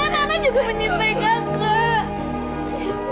dan ana juga menyintai kakak